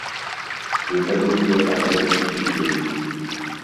Мы павінны абараніць людзей.